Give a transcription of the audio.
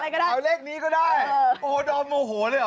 เอาเลขนี้ก็ได้โอ้โฮดอมโอโหเลยหรอ